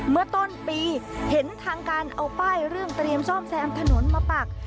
เมื่อต้นปีเห็นทางการเอาป้ายเรื่องเตรียมซ่อมแซมถนนมาปัก